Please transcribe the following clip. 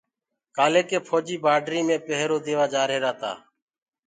ڪآليِ ڪيِ ڦوجيٚ بآڊري ميِ پيهرو ديوآ جآريهِرآ تآ